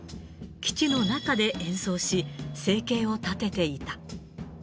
基地の中で演奏し、生計を立てていた。